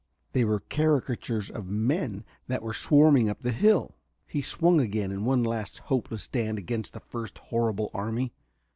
They were caricatures of men that were swarming up the hill.... He swung again in one last hopeless stand against the first horrible enemy.